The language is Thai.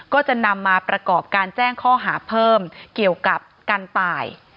ก็จะนำมาประกอบการแจ้งข้อหาเพิ่มเกี่ยวกับการตาย